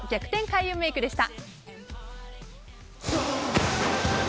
開運メイクでした。